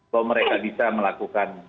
bahwa mereka bisa melakukan